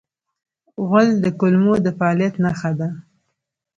غول د کولمو د فعالیت نښه ده.